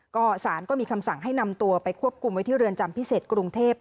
ก็สารก็มีคำสั่งให้นำตัวไปควบคุมไว้ที่เรือนจำพิเศษกรุงเทพ